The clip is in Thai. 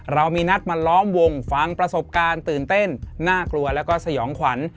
เรามีนัดมาล้อมวงฟังประสบการณ์ตื่นเต้นน่ากลัวแล้วก็สยองขวัญ